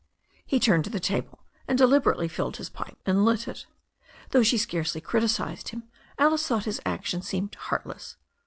He turned to the table, and deliberately filled his pipe and lit it. Though she rarely criticized him, Alice thought his action seemed heartless.